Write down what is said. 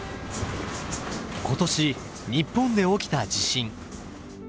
今年日本で起きた地震。